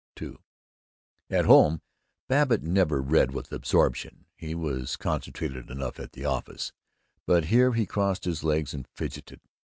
II At home, Babbitt never read with absorption. He was concentrated enough at the office but here he crossed his legs and fidgeted.